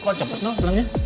kok cepet ma belanya